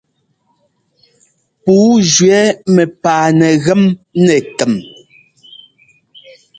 Pǔu jʉɛ́ mɛpaa nɛgem nɛ kɛm.